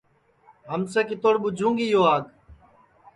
ہمسیے کِتوڑ ٻُوجھوں گی یو آگ